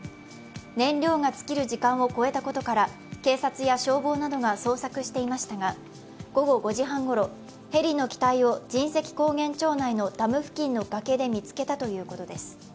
燃料が尽きる時間を超えたことから警察や消防などが捜索していましたが、午後５時半ごろ、ヘリの機体を神石高原町内のダム付近の崖で見つけたということです。